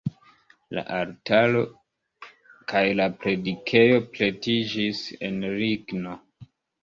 La altaro kaj la predikejo pretiĝis el ligno.